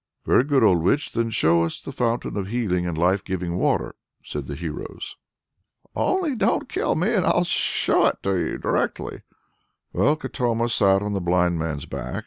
"Very good, old witch! Then show us the fountain of healing and life giving water!" said the heroes. "Only don't kill me, and I'll show it you directly!" Well, Katoma sat on the blind man's back.